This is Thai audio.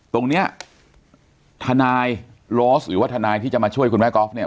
ตรงเนี้ยทนายโรสหรือว่าทนายที่จะมาช่วยคุณแม่กอล์ฟเนี่ย